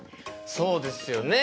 そうですよね。